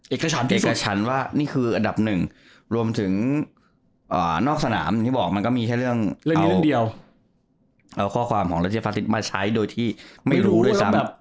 เอกฉันว่านี่คืออัดดับ๑รวมถึงนอกสนามมันก็มีแค่เรื่องเอาข้อความของรัฐเจียปฟัตติฯมาใช้โดยที่ไม่รู้ด้วยซ้ำ